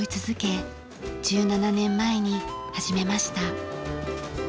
１７年前に始めました。